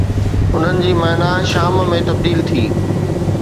انهن جي معني شام ۾ تبديل ٿي.